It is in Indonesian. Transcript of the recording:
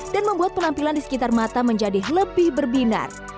dan membuat penampilan di sekitar mata menjadi lebih berbinar